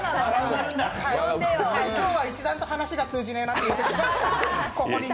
今日は一段と話が通じねえなってときに、ここに。